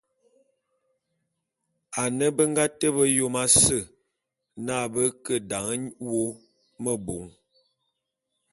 Ane be nga bete Yom ase na be ke dan wô mebôn.